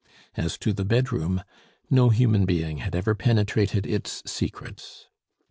As to the bedroom, no human being had ever penetrated its secrets.